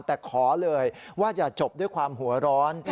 แต่ขอเลยว่าอย่าจบด้วยความหัวร้อน